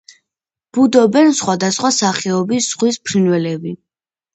ბუდობენ სხვადასხვა სახეობის ზღვის ფრინველები.